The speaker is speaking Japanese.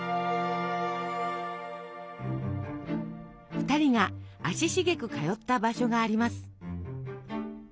２人が足しげく通った場所があります。